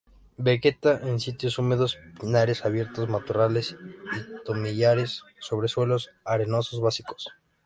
Vegeta en sitios húmedos, pinares abiertos, matorrales y tomillares sobre suelos arenosos básicos.